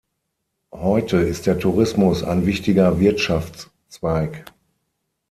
Heute ist der Tourismus ein wichtiger Wirtschaftszweig.